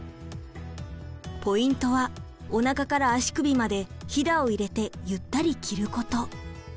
ポイントはおなかから足首までひだを入れてゆったり着ること。